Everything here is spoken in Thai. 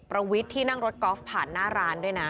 ประวิทย์ที่นั่งรถกอล์ฟผ่านหน้าร้านด้วยนะ